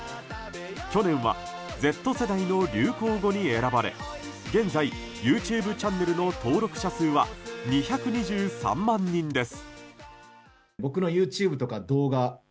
去年はＺ世代の流行語に選ばれ現在ＹｏｕＴｕｂｅチャンネルの登録者数は、２２３万人です。